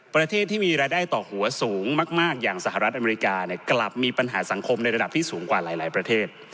ประเทศที่มีรายได้ต่อหัวสูงมากอย่างสหรัฐอเมริกาเนี่ยกลับมีปัญหาสังคมในระดับที่สูงกว่าหลายประเทศ